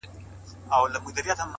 د حيا تور پوړونی مه ورکوه چي غورځوه!!